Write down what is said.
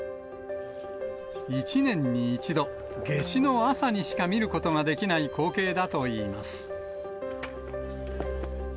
１年に１度、夏至の朝にしか見ることができない光景だといいます。